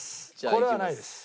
これはないです。